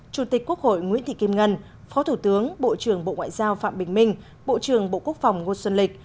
chủ tịch quốc hội nguyễn thị kim ngân phó thủ tướng bộ trưởng bộ ngoại giao phạm bình minh bộ trưởng bộ quốc phòng ngô xuân lịch